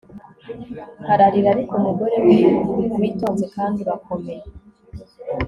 Ararira Ariko umugore witonze kandi urakomeye